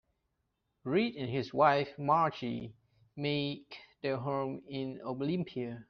Reed and his wife Margie make their home in Olympia.